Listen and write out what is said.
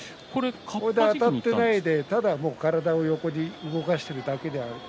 あたってないで体を横に動かしているだけ。